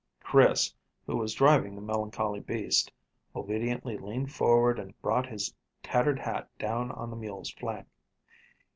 Chris, who was driving the melancholy beast, obediently leaned forward and brought his tattered hat down on the mule's flank.